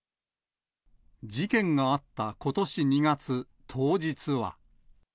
事件があったことし２月、当日は。